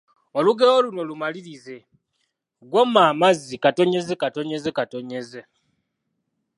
Olugero luno lumalirize: Gw'omma amazzi…